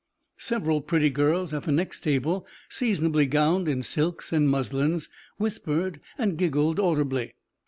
Several pretty girls at the next table, seasonably gowned in silks and muslins, whispered and giggled audibly.